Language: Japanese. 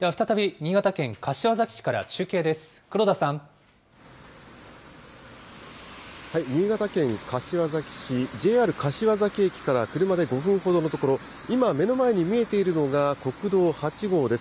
新潟県柏崎市、ＪＲ柏崎駅から車で５分ほどの所、今、目の前に見えているのが国道８号です。